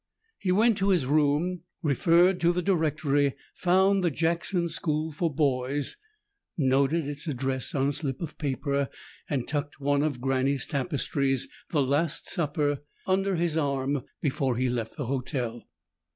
He went to his room, referred to the directory, found the Jackson School for Boys, noted its address on a slip of paper and tucked one of Granny's tapestries, The Last Supper, under his arm before he left the hotel.